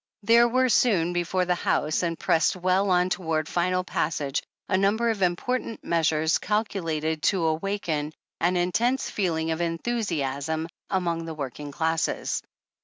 There were soon before the House and pressed well on toward final passage a number of important measures calcu lated to awaken an intense feeling of enthusiasm among the working classes.